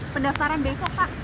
pendaftaran besok pak